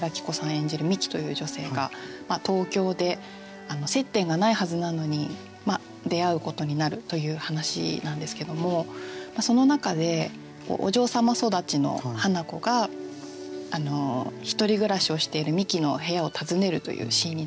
演じる美紀という女性が東京で接点がないはずなのに出会うことになるという話なんですけどもその中でお嬢様育ちの華子が１人暮らしをしている美紀の部屋を訪ねるというシーンになります。